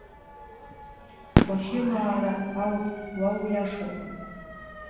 Уахьымаара ауп, уа уиашоуп.